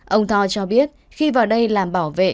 ông tho cho biết khi vào đây làm bảo vệ